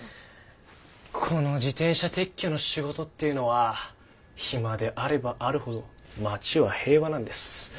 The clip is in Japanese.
この「自転車撤去の仕事」っていうのは暇であればあるほど町は平和なんです。